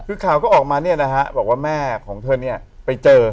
คือข่าวก็ออกมาเนี่ยนะฮะบอกว่าแม่ของเธอเนี่ยไปเจอ